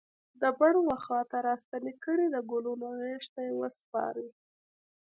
د بڼ و خواته راستنې کړي د ګلونو غیږ ته یې وسپاری